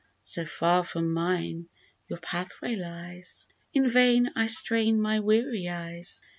So far from mine your pathway lies. In vain I strain my weary eyes.